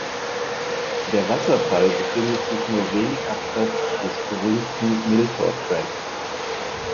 Der Wasserfall befindet sich nur wenig abseits des berühmten Milford Track.